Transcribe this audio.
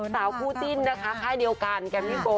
สาวผู้จิ้นนะคะคล้ายเดียวกันแก่มิ้งโก